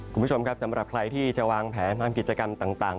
คุณผู้ชมครับสำหรับใครที่จะวางแผนทำกิจกรรมต่าง